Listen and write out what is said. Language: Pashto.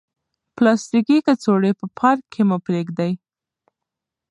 پلاستیکي کڅوړې په پارک کې مه پریږدئ.